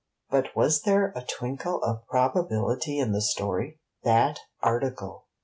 But was there a twinkle of probability in the story?... that article!